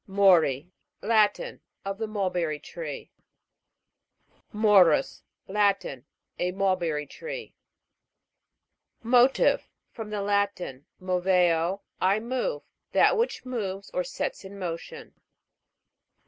MO'RI. Latin. Of the mulberry tree. MO'RUS. Latin. A mulberry tree. MO'TIVE. From the Latin, movco, I move. That which moves or sets in motion.